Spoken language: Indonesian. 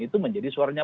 itu menjadi suaranya